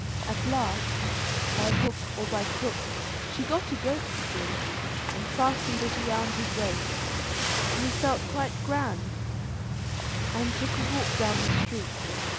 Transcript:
At last, by hook or by crook, she got a goat skin, and fastened it round his waist, and he felt quite grand, and took a walk down the street.